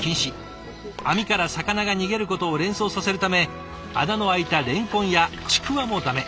網から魚が逃げることを連想させるため穴の開いたれんこんやちくわも駄目。